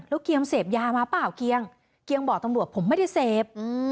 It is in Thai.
แล้วเกียงเสพยามาเปล่าเกียงเกียงบอกตำรวจผมไม่ได้เสพ